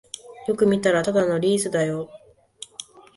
よく見たらただのリースだよ